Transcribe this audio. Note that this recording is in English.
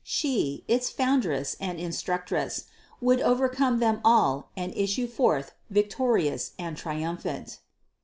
She, its Foundress and Instructress, would overcome them all and issue forth victorious and triumphant.